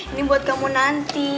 ini buat kamu nanti